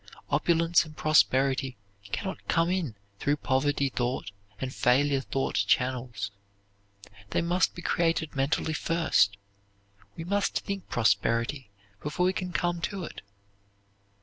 Opulence and prosperity can not come in through poverty thought and failure thought channels. They must be created mentally first. We must think prosperity before we can come to it.